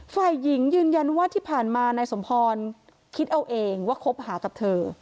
ฝ่ายหญิงยืนยันว่าที่ผ่านมานายสมพรคิดเอาเองว่าคบหากับเธอ